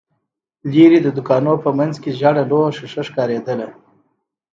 ليرې، د دوکانونو په مينځ کې ژېړه لويه ښيښه ښکارېدله.